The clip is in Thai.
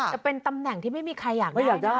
แต่เป็นตำแหน่งที่ไม่มีใครอยากได้